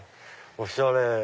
おしゃれ。